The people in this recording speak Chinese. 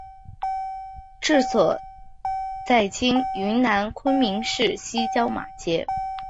治所在今云南昆明市西郊马街。